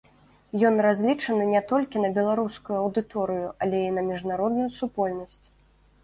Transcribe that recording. Ён разлічаны не толькі на беларускую аўдыторыю, але і на міжнародную супольнасць.